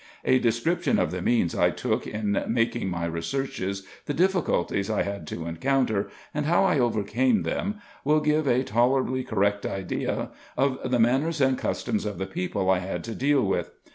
A description of the means I took in making my researches, the difficulties I had to encounter, and how I overcame them, will give a tolerably correct idea of the manners and customs of the people I had to vi PREFACE. deal with.